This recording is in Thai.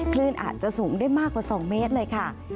คลื่นอาจจะสูงได้มากกว่า๒เมตรเลยค่ะ